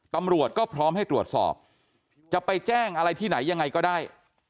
ตำรวจก็พร้อมให้ตรวจสอบจะไปแจ้งอะไรที่ไหนยังไงก็ได้